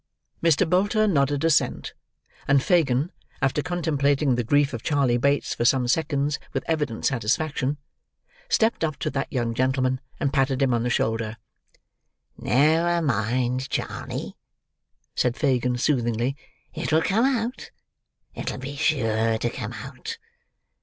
Mr. Bolter nodded assent, and Fagin, after contemplating the grief of Charley Bates for some seconds with evident satisfaction, stepped up to that young gentleman and patted him on the shoulder. "Never mind, Charley," said Fagin soothingly; "it'll come out, it'll be sure to come out.